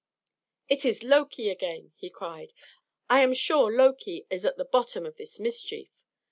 "It is Loki again!" he cried. "I am sure Loki is at the bottom of this mischief!"